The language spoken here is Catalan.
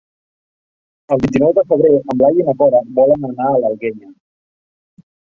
El vint-i-nou de febrer en Blai i na Cora volen anar a l'Alguenya.